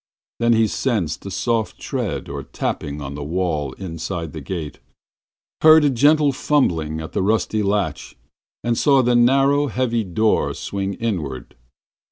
Then he sensed a soft tread or tapping on the walk inside the gate, heard a gentle fumbling at the rusty latch, and saw the narrow, heavy door swing inward.